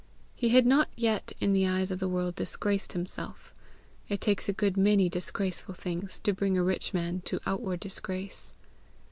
He had not yet in the eyes of the world disgraced himself: it takes a good many disgraceful things to bring a rich man to outward disgrace.